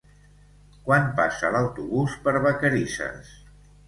Quan passa l'autobús per Vacarisses?